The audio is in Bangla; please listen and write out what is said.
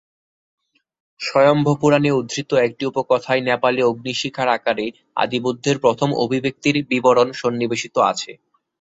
স্বয়ম্ভূপুরাণে উদ্ধৃত একটি উপকথায় নেপালে অগ্নিশিখার আকারে আদিবুদ্ধের প্রথম অভিব্যক্তির বিবরণ সন্নিবেশিত আছে।